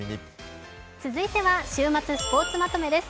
続いては週末スポーツまとめです。